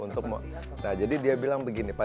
nah jadi dia bilang begini